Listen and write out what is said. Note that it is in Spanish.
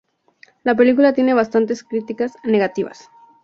La película tiene bastantes crítica negativas.